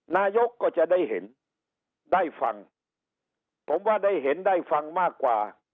นายกก็จะได้เห็นได้ฟังผมว่าได้เห็นได้ฟังมากกว่า